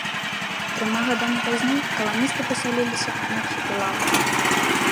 Трыма гадамі пазней каланісты пасяліліся на архіпелагу.